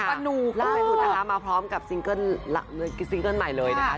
ลาไปดูนะคะมาพร้อมกับซิงเกิลใหม่เลยนะคะ